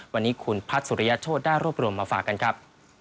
วันนี้คุณพัฒน์สุริยโชธได้รวบรวมมาฝากกันครับ